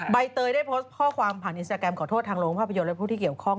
ใบเตยได้โพสต์ข้อความผ่านอินสตาแกรมขอโทษทางโรงภาพยนตและผู้ที่เกี่ยวข้อง